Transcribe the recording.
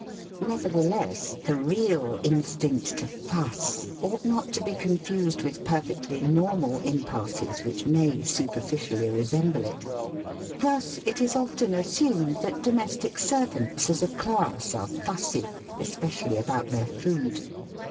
Nevertheless the real instinct to fuss ought not to be confused with perfectly normal impulses which may superficially resemble it. Thus it is often assumed that domestic servants as a class are fussy, especially about their food.